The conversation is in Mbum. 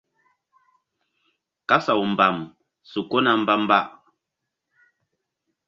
Kasaw mbam su kona mbamba asaw.